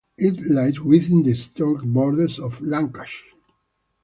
It lies within the historic borders of Lancashire.